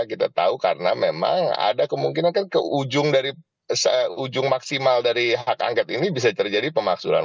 kita tahu karena memang ada kemungkinan kan ke ujung maksimal dari hak angket ini bisa terjadi pemaksulan